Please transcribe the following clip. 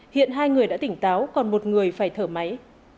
hiện hai người đã tỉnh táo còn một người phải thở máy